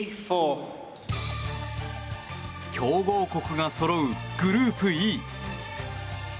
強豪国がそろうグループＥ。